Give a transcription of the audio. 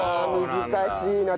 難しいな。